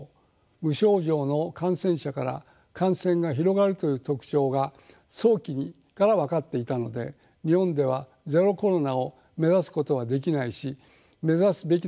無症状の感染者から感染が広がるという特徴が早期から分かっていたので日本では「ゼロコロナ」を目指すことはできないし目指すべきではないと考え